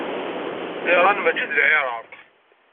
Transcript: Iṛan mačči d Lɛiraq.